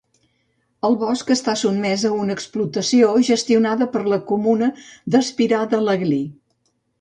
El bosc està sotmès a una explotació gestionada per la comuna d'Espirà de l'Aglí.